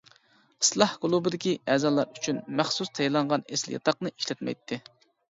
ئىسلاھ كۇلۇبىدىكى ئەزالار ئۈچۈن مەخسۇس تەييارلانغان ئېسىل ياتاقنى ئىشلەتمەيتتى.